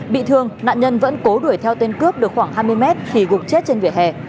bị thương nạn nhân vẫn cố đuổi theo tên cướp được khoảng hai mươi mét thì gục chết trên vỉa hè